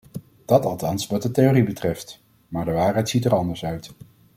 Dat althans wat de theorie betreft, maar de waarheid ziet er anders uit.